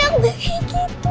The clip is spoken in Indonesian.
aku gak kayak gitu